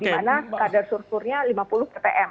di mana kadar sursurnya lima puluh ppm